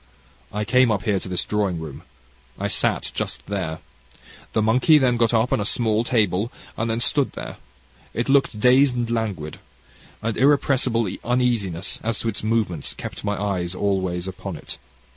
I came up here to this drawing room. I sat just here. The monkey then got upon a small table that then stood there. It looked dazed and languid. An irrepressible uneasiness as to its movements kept my eyes always upon it.